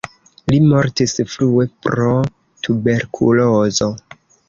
Li mortis frue pro tuberkulozo.